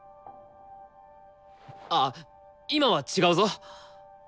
あっ今は違うぞ。